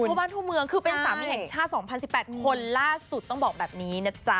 ทั่วบ้านทั่วเมืองคือเป็นสามีแห่งชาติ๒๐๑๘คนล่าสุดต้องบอกแบบนี้นะจ๊ะ